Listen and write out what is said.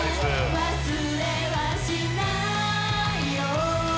「忘れはしないよ」